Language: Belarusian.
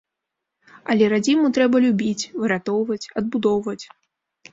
Але радзіму трэба любіць, выратоўваць, адбудоўваць.